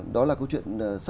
đó là câu chuyện